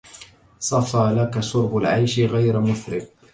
صفا لك شرب العيش غير مثرب